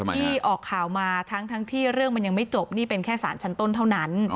ที่ออกข่าวมาทั้งที่เรื่องมันยังไม่จบนี่เป็นแค่สารชั้นต้นเท่านั้น